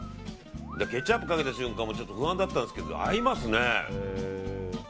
ケチャップをかけた瞬間不安だったんですけど合いますね。